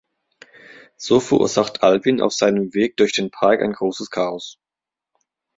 So verursacht Alvin auf seinem Weg durch den Park ein großes Chaos.